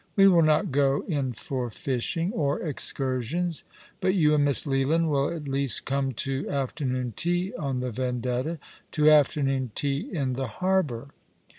" We will not go in for fishing — or excursions— but you and Miss Leland will at least come to afternoon tea on the Vendetta — to afternoon tea in the harbour.